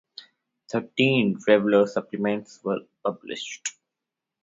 Thirteen "Traveller" supplements were published.